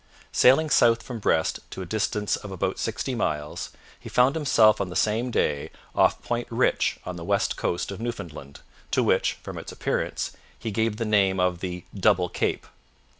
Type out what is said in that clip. Sailing south from Brest to a distance of about sixty miles, he found himself on the same day off Point Rich on the west coast of Newfoundland, to which, from its appearance, he gave the name of the Double Cape.